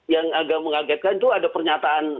yang agak mengagetkan itu ada pernyataan